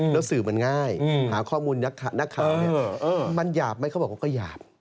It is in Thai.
แล้วสื่อมันง่ายหาข้อมูลนักข่าวเนี่ยมันหยาบไหมเขาบอกว่าก็หยาบ